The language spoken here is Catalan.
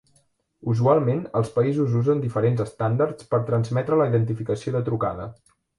Usualment els països usen diferents estàndards per transmetre la identificació de trucada.